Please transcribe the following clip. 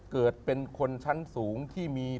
เกิดเป็นคนชั้นสูงที่มี